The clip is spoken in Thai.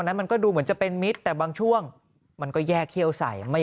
นั้นมันก็ดูเหมือนจะเป็นมิตรแต่บางช่วงมันก็แยกเขี้ยวใส่ไม่